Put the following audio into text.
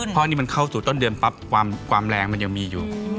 เพราะอันนี้มันเข้าสู่ต้นเดือนปั๊บความแรงมันยังมีอยู่